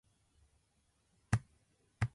髪の毛が伸びたので、髪を切る。